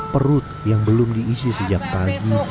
perut yang belum diisi sejak pagi